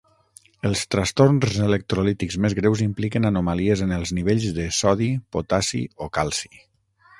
Els trastorns electrolítics més greus impliquen anomalies en els nivells de sodi, potassi o calci.